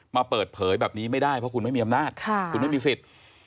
มาเปิดเผยแบบนี้ไม่ได้เพราะคุณไม่มีอำนาจคุณไม่มีสิทธิ์